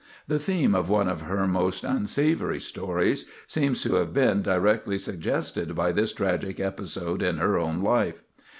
The theme of one of her most unsavory stories seems to have been directly suggested by this tragic episode in her own life.